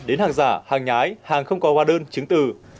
đến hàng giả hàng nhái hàng không có hóa đơn chứng từ